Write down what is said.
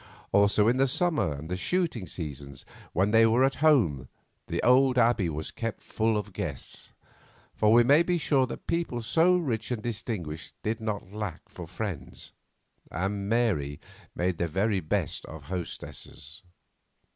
Also in the summer and shooting seasons, when they were at home, the old Abbey was kept full of guests; for we may be sure that people so rich and distinguished did not lack for friends, and Mary made the very best of hostesses.